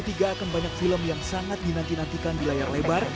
tahun dua ribu dua puluh tiga akan banyak film yang sangat dinantikan di layar lebar